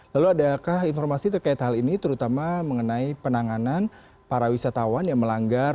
lalu adakah informasi terkait hal ini terutama mengenai penanganan para wisatawan yang melanggar